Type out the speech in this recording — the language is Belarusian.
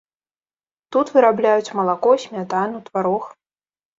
Тут вырабляюць малако, смятану, тварог.